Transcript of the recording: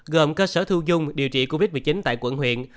gồm cơ sở thu dung điều trị covid một mươi chín tại quận huyện